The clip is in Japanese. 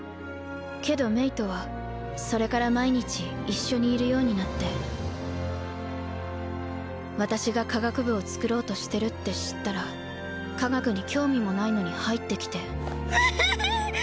けどメイとはそれから毎日一緒にいるようになって私が科学部を作ろうとしてるって知ったら科学に興味もないのに入ってきてひぃぃぃ！